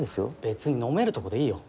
別に飲めるとこでいいよ。